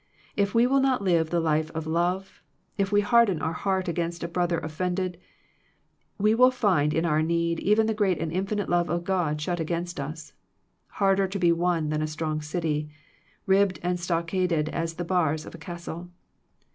If we will not live the life of love, if we harden our heart against a brother of fended, we will find in our need even the great and infinite love of God shut against us, harder to be won than a strong city, ribbed and stockaded as the bars of a cas tle.